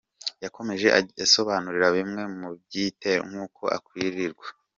Yakomeje kandi asobanura bimwe mu biyitera n’uko yakwirindwa.